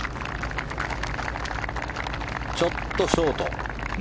ちょっとショート。